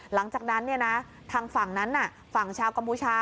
หลังจากนั้นทางฝั่งนั้นฝั่งชาวกัมพูชา